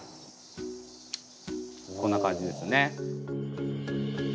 こんな感じですね。